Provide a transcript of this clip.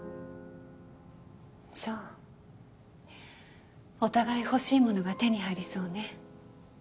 そうお互い欲しいものが手に入りそうね